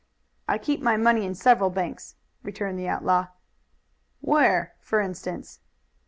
"I keep my money in several banks," returned the outlaw. "Where, for instance?"